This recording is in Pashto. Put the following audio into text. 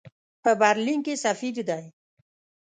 په برلین کې سفیر دی.